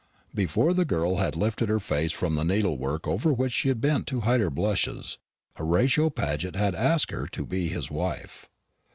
Before the girl had lifted her face from the needlework over which she had bent to hide her blushes, Horatio Paget had asked her to be his wife.